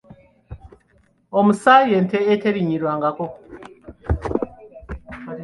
Omusa y'ente eterinnyirwangako.